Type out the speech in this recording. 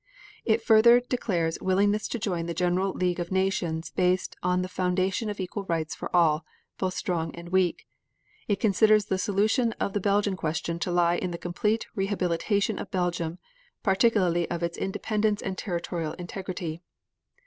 It further declares willingness to join the general league of nations based on the foundation of equal rights for all, both strong and weak. It considers the solution of the Belgian question to lie in the complete rehabilitation of Belgium, particularly of its independence and territorial integrity.